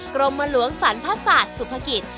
กรมลวงสรรพสาทสุภกิจ